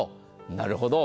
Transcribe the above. なるほど。